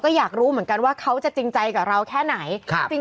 ก็อยากรู้เหมือนกันว่าเขาจะจริงใจกับเราแค่ไหน